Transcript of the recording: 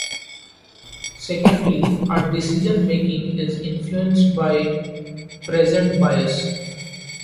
Secondly, our decision-making is influenced by present bias.